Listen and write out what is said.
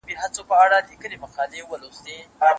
د غم کور به وي سوځلی د ښادۍ قاصد راغلی